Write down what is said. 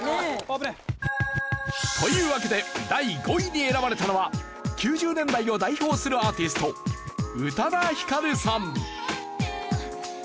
危ねえ！というわけで第５位に選ばれたのは９０年代を代表するアーティスト宇多田ヒカルさん。